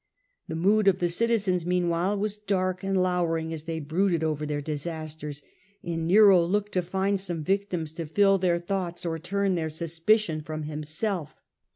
The mood of the citizens meanwhile was dark and To turn sus lowering as they brooded over their disasters, Eimseirr™ Nero looked to find some victims to fill their thoughts or turn their suspicion from himself.